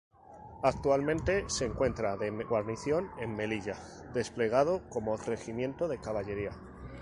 Actualmente, se encuentra de guarnición en Melilla, desplegado como regimiento de caballería.